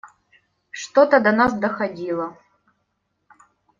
Что-то до нас доходило.